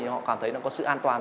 họ cảm thấy là có sự an toàn